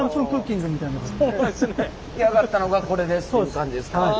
出来上がったのがこれですっていう感じですか。